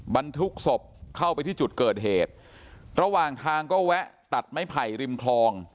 บรรทุกศพเข้าไปที่จุดเกิดเหตุระหว่างทางก็แวะตัดไม้ไผ่ริมคลอง